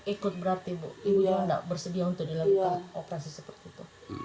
ikut berarti ibu ibu enggak bersedia untuk dilakukan operasi seperti itu